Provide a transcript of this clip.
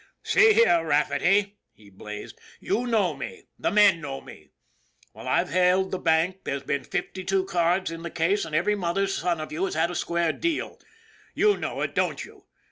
" See here, Rafferty," he blazed, " you know me the men know me. While I've held the bank there's been fifty two cards in the case and every mother's son of you has had a square deal. You know it, don't you?